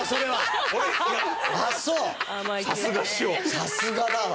さすがだわ。